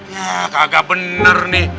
ya kagak bener nih